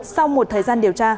sau một thời gian điều tra